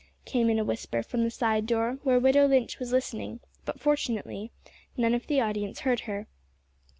came in a whisper from the side door, where widow Lynch was listening; but, fortunately, none of the audience heard her.)